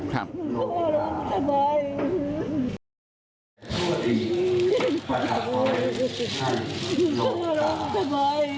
ครับ